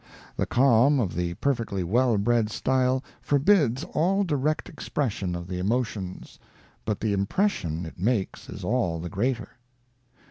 The calm of the perfectly well bred style forbids all direct expression of the emotions, but the impression it makes is all the greater.